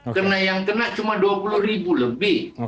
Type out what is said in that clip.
karena yang kena cuma dua puluh ribu lebih